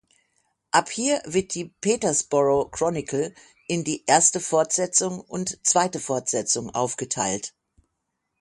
Ab hier wird die "Peterborough Chronicle" in die "Erste Fortsetzung" und "Zweite Fortsetzung" aufgeteilt.